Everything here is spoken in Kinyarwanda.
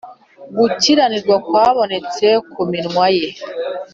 gukiranirwa kwabonetse ku minwa ye.